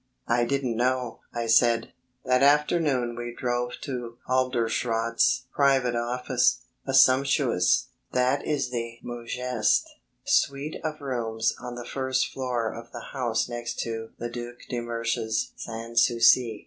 "I didn't know," I said. That afternoon we drove to Halderschrodt's private office, a sumptuous that is the mot juste suite of rooms on the first floor of the house next to the Duc de Mersch's Sans Souci.